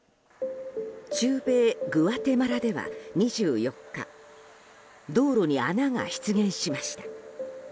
中米グアテマラでは２４日道路に穴が出現しました。